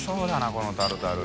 このタルタル。